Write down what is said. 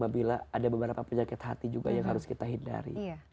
bila ada beberapa penyakit hati juga yang harus kita hindari